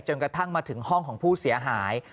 กระทั่งมาถึงห้องของผู้เสียหาย